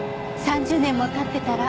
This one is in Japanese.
３０年も経ってたら。